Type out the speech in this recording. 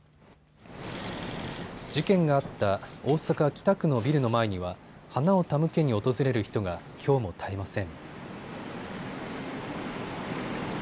事件があった大阪北区のビルの前には花を手向けに訪れる人がきょうも絶えません。